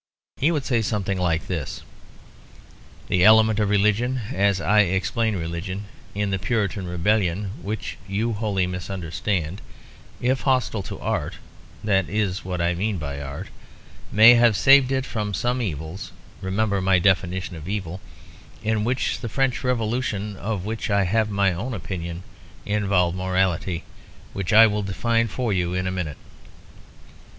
He would say something like: "The element of religion, as I explain religion, in the Puritan rebellion (which you wholly misunderstand) if hostile to art that is what I mean by art may have saved it from some evils (remember my definition of evil) in which the French Revolution of which I have my own opinion involved morality, which I will define for you in a minute."